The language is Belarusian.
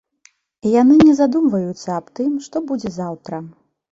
Яны не задумваюцца аб тым, што будзе заўтра.